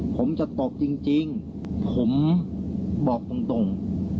ผมจะตบจริงผมบอกตรง